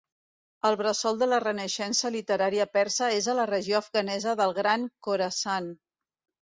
El bressol de la renaixença literària persa és a la regió afganesa del Gran Khorasan.